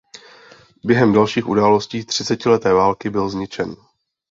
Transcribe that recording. Během dalších událostí třicetileté války byl zničen.